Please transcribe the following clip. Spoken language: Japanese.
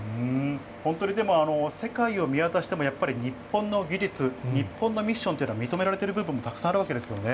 本当にでも、世界を見渡しても、やっぱり日本の技術、日本のミッションというのは、認められている部分もたくさんあるわけですよね。